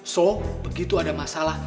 so begitu ada masalah